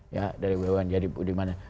ya dari bumn jadi budiman